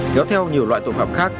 kéo theo nhiều loại tội phạm khác